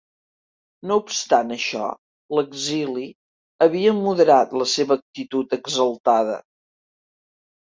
No obstant això, l'exili havia moderat la seva actitud exaltada.